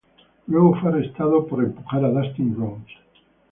Luego fue "arrestado" por empujar a Dustin Rhodes.